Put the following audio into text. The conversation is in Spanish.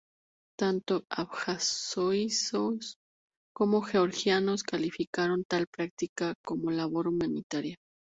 Tanto abjasios como georgianos calificaron tal práctica como labor humanitaria.